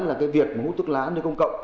là cái việc hút thuốc lá lên công cộng